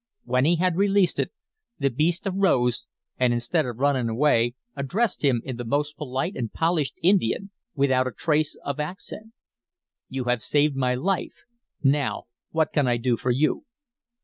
When he had released it, the beast arose and instead of running away addressed him in the most polite and polished Indian, without a trace of accent. "'You have saved my life. Now, what can I do for you?'